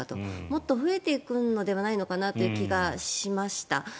もっと増えていくのではないかなという気がしました。